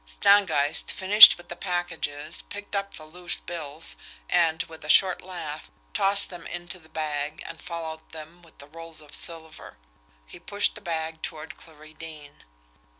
Stangeist, finished with the packages, picked up the loose bills, and, with a short laugh, tossed them into the bag and followed them with the rolls of silver. He pushed the bag toward Clarie Deane.